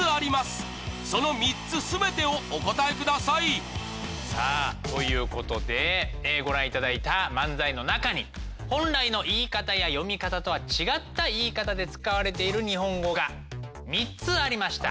その３つ全てをお答えください！さあということでご覧いただいた漫才の中に本来の言い方や読み方とは違った言い方で使われている日本語が３つありました。